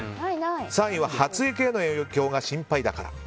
３位は発育への影響が心配だから。